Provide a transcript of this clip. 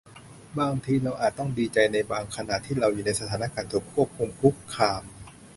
บางทีเราอาจจะต้องดีใจในบางขณะ ที่เราอยู่ในสถานะถูกควบคุมคุกคาม